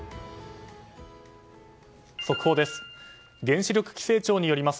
速報です。